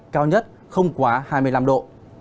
cao nhất không quá hai mươi năm độ